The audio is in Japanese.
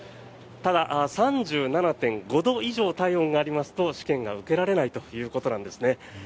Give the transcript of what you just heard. ただ、３７．５度以上体温がありますと試験が受けられないということなんです。